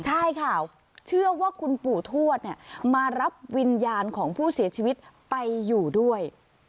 ใช่ค่ะเชื่อว่าคุณปู่ทวดเนี่ยมารับวิญญาณของผู้เสียชีวิตไปอยู่ด้วย